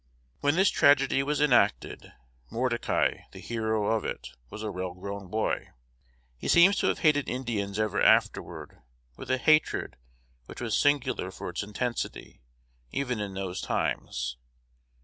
When this tragedy was enacted, Mordecai, the hero of it, was a well grown boy. He seems to have hated Indians ever after with a hatred which was singular for its intensity, even in those times.